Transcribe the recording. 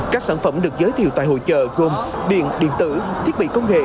các sản phẩm được giới thiệu tại hội trợ gồm điện điện tử thiết bị công nghệ